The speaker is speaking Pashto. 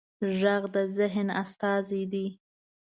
غږ د ذهن استازی دی